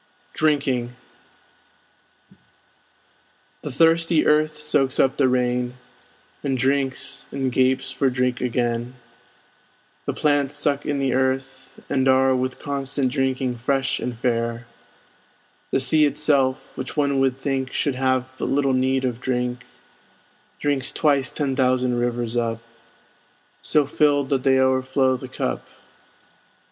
DRINKING The thirsty earth soaks up the rain, And drinks, and gapes for drink again, The plants suck in the earth, and are With constant drinking fresh and fair; The sea itself (which one would think Should have but little need of drink) Drinks twice ten thousand rivers up, So filled that they o'erflow the cup.